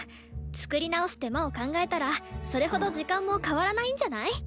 作り直す手間を考えたらそれほど時間も変わらないんじゃない？